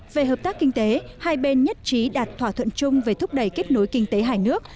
về hợp tác kinh tế hai bên nhất trí đạt thỏa thuận chung về thúc đẩy kết nối kinh tế hai nước